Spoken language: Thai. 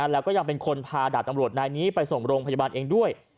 แล้วก็ยังเป็นคนพาดาบตำรวจนายนี้ไปส่งโรงพยาบาลเองด้วย